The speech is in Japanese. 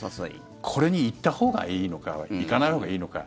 これに行ったほうがいいのか行かないほうがいいのか。